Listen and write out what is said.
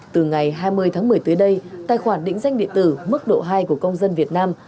từ ngày hai mươi tháng một mươi tới đây tài khoản định danh điện tử mức độ hai của công dân việt nam